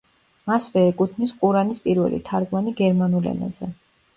მასვე ეკუთვნის ყურანის პირველი თარგმანი გერმანულ ენაზე.